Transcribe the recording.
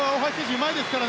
うまいですからね。